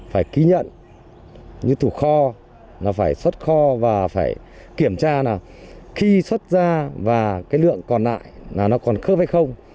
phải ký nhận như thủ kho là phải xuất kho và phải kiểm tra là khi xuất ra và cái lượng còn lại là nó còn khớp hay không